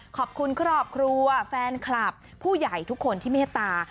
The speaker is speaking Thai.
ขอบคุณครอบครัวแฟนคลับผู้ใหญ่ทุกคนที่เมตตา